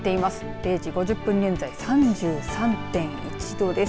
０時５０分現在３３．１度です。